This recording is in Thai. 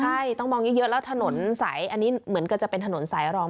ใช่ต้องมองเยอะแล้วถนนสายอันนี้เหมือนกันจะเป็นถนนสายรอง